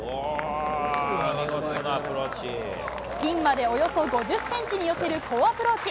ピンまでおよそ５０センチに寄せる好アプローチ。